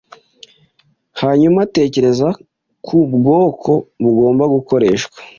hanyuma atekereza ku bwoko bugomba gukoreshwa: